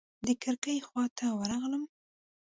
د کړکۍ خواته ورغلم.